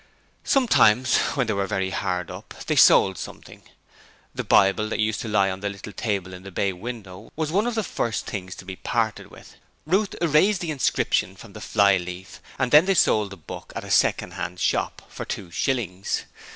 Sometimes, when they were very hard up, they sold something; the Bible that used to lie on the little table in the bay window was one of the first things to be parted with. Ruth erased the inscription from the fly leaf and then they sold the book at a second hand shop for two shillings.